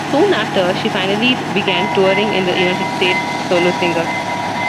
Soon after, she finally began touring in the United States as a solo singer.